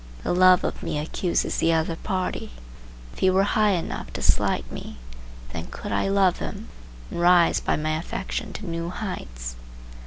The love of me accuses the other party. If he were high enough to slight me, then could I love him, and rise by my affection to new heights.